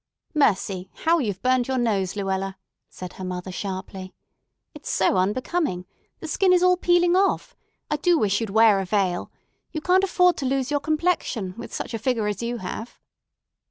"Mercy, how you've burned your nose, Luella!" said her mother sharply. "It's so unbecoming. The skin is all peeling off. I do wish you'd wear a veil. You can't afford to lose your complexion, with such a figure as you have."